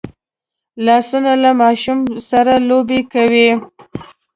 لاسونه له ماشوم سره لوبې کوي